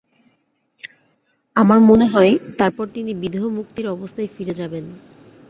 আমার মনে হয়, তারপর তিনি বিদেহ-মুক্তির অবস্থায় ফিরে যাবেন।